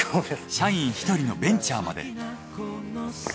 社員ひとりのベンチャーまで。